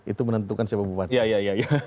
itu menentukan siapa buahnya